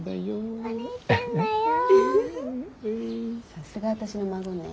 さすが私の孫ね。